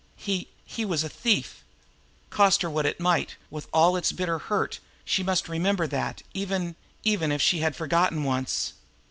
He he was a thief. Cost her what it might, with all its bitter hurt, she must remember that, even even if she had forgotten once.